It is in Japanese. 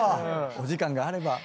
お時間があれば。